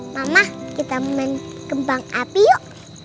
mamah kita main kembang api yuk